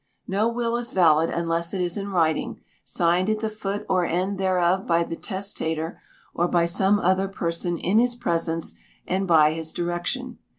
No will is valid unless it is in writing, signed at the foot or end thereof by the testator, or by some other person in his presence and by his direction.